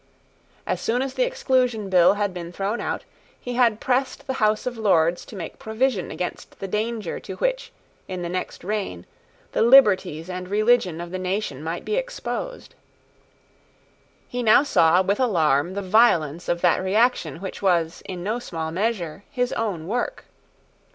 As soon as the Exclusion Bill had been thrown out, he had pressed the House of Lords to make provision against the danger to which, in the next reign, the liberties and religion of the nation might be exposed. He now saw with alarm the violence of that reaction which was, in no small measure, his own work.